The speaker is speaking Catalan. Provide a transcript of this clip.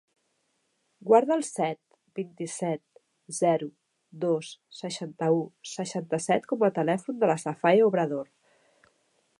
Guarda el set, vint-i-set, zero, dos, seixanta-u, seixanta-set com a telèfon de la Safae Obrador.